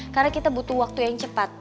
karena kita butuh waktu yang cepat